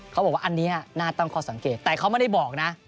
เขาบอกว่าอันนี้น่าตั้งข้อสังเกตแต่เขาไม่ได้บอกนะ